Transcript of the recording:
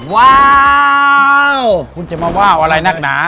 ว้าวคุณจะมาว่าวอะไรนักหนา